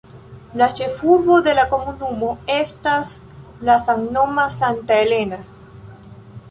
La ĉefurbo de la komunumo estas la samnoma Santa Elena.